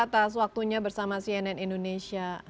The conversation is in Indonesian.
atas waktunya bersama cnn indonesia